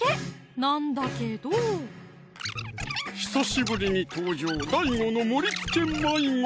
なんだけど久しぶりに登場ＤＡＩＧＯの盛りつけ迷子！